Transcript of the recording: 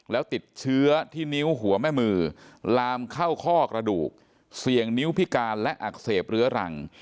แล้วติดเชื้อที่นิ้วหัวแม่มือลามเข้าข้อกระดูกเสี่ยงนิ้วพิการและอักเสบเรื้อรัง